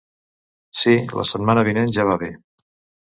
Si, la setmana vinent ja va bé.